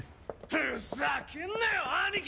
ふざけんなよ兄貴！